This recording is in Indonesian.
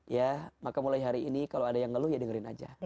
ya maka mulai hari ini kalau ada yang ngeluh ya dengerin aja